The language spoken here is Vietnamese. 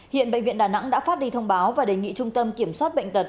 hiện bệnh viện đà nẵng đã phát đi thông báo và đề nghị trung tâm kiểm soát bệnh tật